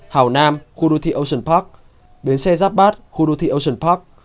hào nam khu đô thị ocean park bến xe giáp bát khu đô thị ocean park